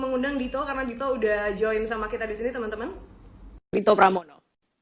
mengundang dito karena dito udah join sama kita disini teman teman dito pramono